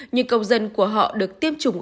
nhưng công dân của họ được tiêm chủng